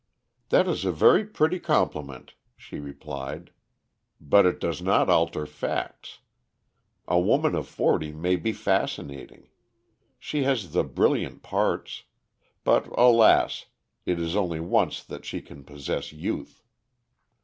"That is a very pretty compliment," she replied. "But it does not alter facts. A woman of forty may be fascinating. She has the brilliant parts. But, alas! it is only once that she can possess youth."